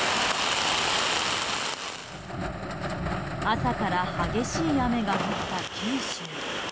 朝から激しい雨が降った九州。